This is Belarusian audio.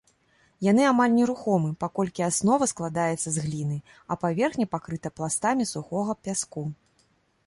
Яны амаль нерухомы, паколькі аснова складаецца з гліны, а паверхня пакрыта пластамі сухога пяску.